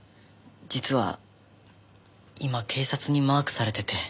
実は今警察にマークされてて。